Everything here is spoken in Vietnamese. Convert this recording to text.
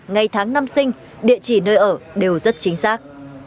ngày tháng năm sinh địa chỉ nơi ở đều rất chính xác